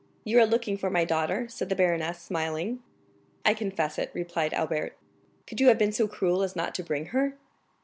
"You are looking for my daughter?" said the baroness, smiling. "I confess it," replied Albert. "Could you have been so cruel as not to bring her?"